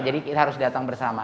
jadi kita harus datang bersama